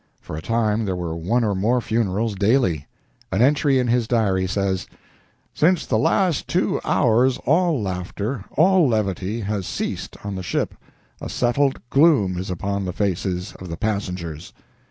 For a time there were one or more funerals daily. An entry in his diary says: "Since the last two hours all laughter, all levity, has ceased on the ship a settled gloom is upon the faces of the passengers.